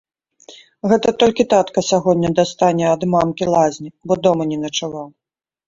Гэта толькі татка сягоння дастане ад мамкі лазні, бо дома не начаваў.